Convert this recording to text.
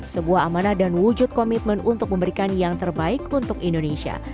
sebuah amanah dan wujud komitmen untuk memberikan yang terbaik untuk indonesia